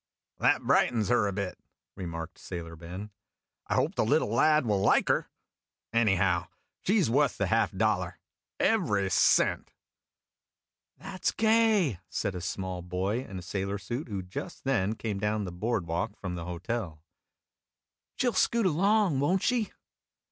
"That brightens her a bit," remarked Sailor Ben. "I hopes the little lad will like her. Anyhow, she 's wuth the half dollar every cent." "That 's gay!" said a small boy in a sailor suit, who just then came clown the board walk from the hotel. " She '11 scoot along, won't she